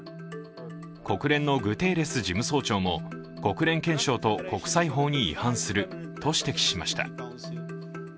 国連のグテーレス事務総長も国連憲章と国際法に違反すると指摘しました。